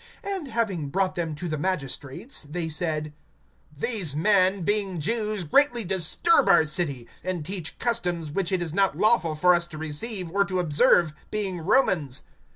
(20)And having brought them to the magistrates, they said: These men, being Jews, greatly disturb our city; (21)and teach customs, which it is not lawful for us to receive, or to observe, being Romans.